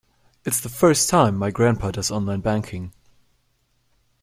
It's the first time my grandpa does online banking.